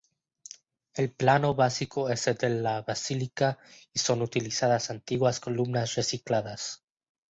El plano básico es el de la basílica y son utilizadas antiguas columnas recicladas.